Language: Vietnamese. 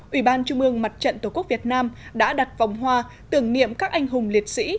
ủy ban trung ương mặt trận tổ quốc việt nam đã đặt vòng hoa tưởng niệm các anh hùng liệt sĩ